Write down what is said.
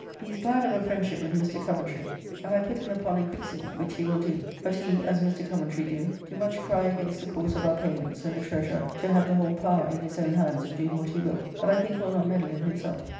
He is glad of a friendship with Mr. Coventry, and I put him upon increasing it, which he will do, but he (as Mr. Coventry do) do much cry against the course of our payments and the Treasurer to have the whole power in his own hands of doing what he will, but I think will not meddle in himself.